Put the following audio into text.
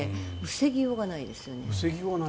防ぎようがないですよね。